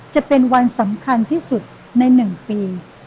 จะเป็นวันสำคัญที่สุดใน๑ปี